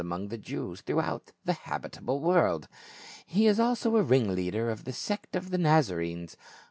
among the Jews throughout the habitable world ; he is also a ringleader of the sect of the Xazarenes.